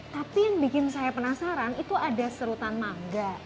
tapi yang bikin saya penasaran itu ada serutan mangga